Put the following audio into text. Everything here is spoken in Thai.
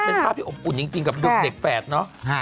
เป็นภาพที่อบอุ่นจริงกับเด็กแฝดเนอะ